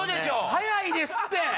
早いですって！